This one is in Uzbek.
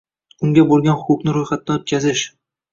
Unga boʼlgan huquqni roʼyxatdan oʼtkazish